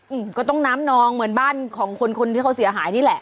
อืมก็ต้องน้ำนองเหมือนบ้านของคนคนที่เขาเสียหายนี่แหละ